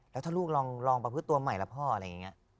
แล้วถ้าลูกลองประพฤติตัวใหม่ล่ะพ่ออะไรอย่างนี้